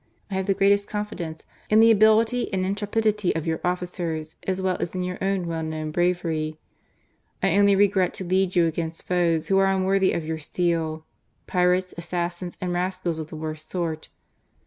I have the greatest confidence in the ability and intrepidity of your officers as well as in your own well known bravery. I only regret to lead you against foes who are unworthy of your steel : pirates, assassins, and rascals of the worst sort.